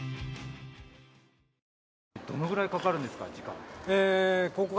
どのぐらいかかるんですか、時間。